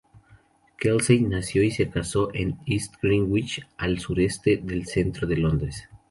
Kelsey nació y se casó en East Greenwich, al sureste del centro de Londres.